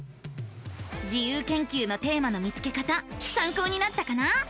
自由研究のテーマの見つけ方さんこうになったかな？